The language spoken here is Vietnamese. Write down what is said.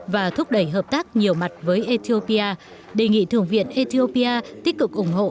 và thúc đẩy hợp tác nhiều mặt với ethiopia đề nghị thượng viện ethiopia tích cực ủng hộ